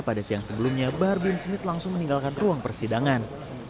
pada siang sebelumnya bahar bin smith langsung meninggalkan ruang persidangan